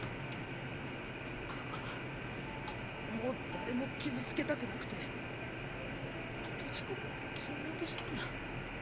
僕はもう誰も傷つけたくなくて閉じこもって消えようとしたんだ。